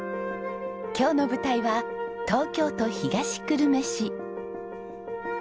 今日の舞台は東京都東久留米市。